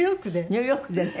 ニューヨークでね